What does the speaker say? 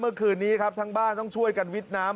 เมื่อคืนนี้ครับทั้งบ้านต้องช่วยกันวิทย์น้ำ